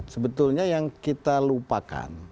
sebetulnya yang kita lupakan